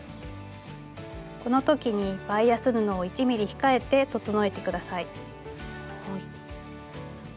この時にバイアス布を１ｍｍ控えて整えて下さい。